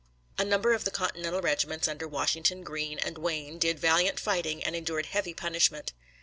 A number of the Continental regiments under Washington, Greene, and Wayne did valiant fighting and endured heavy punishment.